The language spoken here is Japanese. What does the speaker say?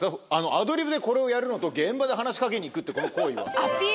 アドリブでこれをやるのと現場で話しかけにいくってこの行為は。